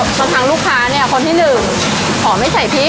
บางครั้งลูกค้าเนี่ยคนที่หนึ่งขอไม่ใส่พริก